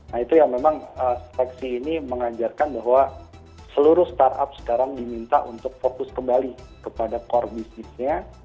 nah itu yang memang seleksi ini mengajarkan bahwa seluruh startup sekarang diminta untuk fokus kembali kepada core business nya